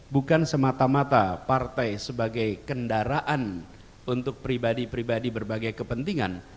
bukan semata mata partai sebagai kendaraan untuk pribadi pribadi berbagai kepentingan